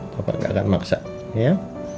papa gak akan maksa ya